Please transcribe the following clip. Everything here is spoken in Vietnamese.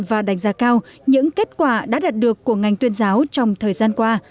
và đánh giá cao những kết quả đã đạt được của ngành tuyên giáo trong thời gian qua